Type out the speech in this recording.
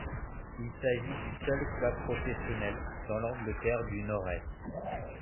Il s'agit du seul club professionnel dans l'Angleterre du Nord-Est.